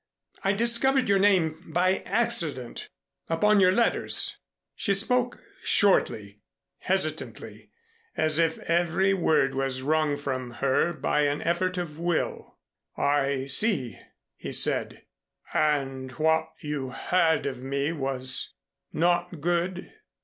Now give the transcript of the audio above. I discovered your name by accident upon your letters." She spoke shortly hesitantly, as if every word was wrung from her by an effort of will. "I see," he said, "and what you heard of me was not good?"